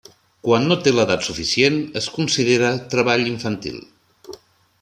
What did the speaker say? Quan no té l'edat suficient, es considera treball infantil.